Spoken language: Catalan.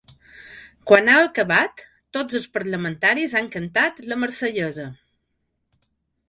Quan ha acabat, tots els parlamentaris han cantat ‘La Marsellesa’.